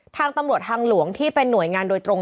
ทางตำรวจทางหลวงที่เป็นหน่วยงานโดยตรง